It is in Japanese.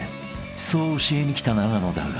［そう教えに来た永野だが］